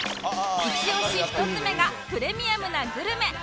イチオシ１つ目がプレミアムなグルメ